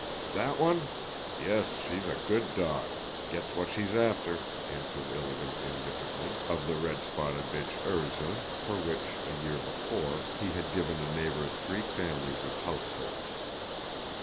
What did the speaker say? "That one? Yes, she's a good dog, gets what she's after," answered Ilágin indifferently, of the red spotted bitch Erzá, for which, a year before, he had given a neighbor three families of house serfs.